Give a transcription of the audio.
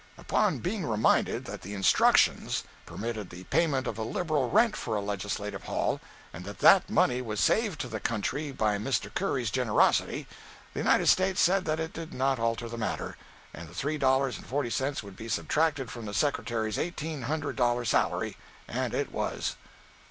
Upon being reminded that the "instructions" permitted the payment of a liberal rent for a legislative hall, and that that money was saved to the country by Mr. Curry's generosity, the United States said that did not alter the matter, and the three dollars and forty cents would be subtracted from the Secretary's eighteen hundred dollar salary—and it was!